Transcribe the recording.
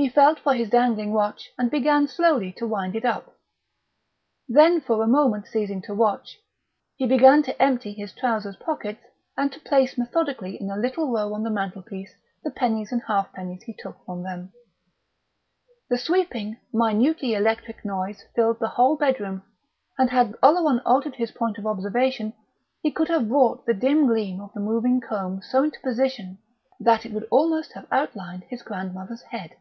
He felt for his dangling watch and began slowly to wind it up. Then, for a moment ceasing to watch, he began to empty his trousers pockets and to place methodically in a little row on the mantelpiece the pennies and halfpennies he took from them. The sweeping, minutely electric noise filled the whole bedroom, and had Oleron altered his point of observation he could have brought the dim gleam of the moving comb so into position that it would almost have outlined his grandmother's head.